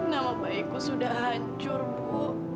nama baikku sudah hancur bu